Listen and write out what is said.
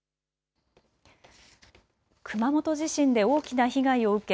熊本地震で大きな被害を受け